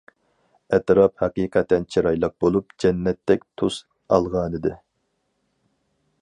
ئەتراپ ھەقىقەتەن چىرايلىق بولۇپ، جەننەتتەك تۈس ئالغانىدى.